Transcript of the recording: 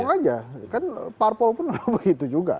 oh aja kan parpol pun begitu juga